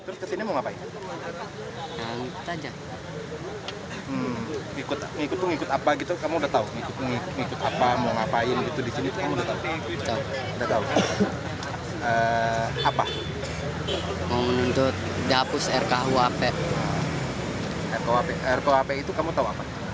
ruu itu apa kamu tahu